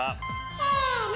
・せの！